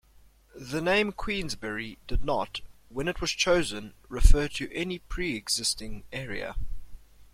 The name Queensbury did not, when it was chosen, refer to any pre-existing area.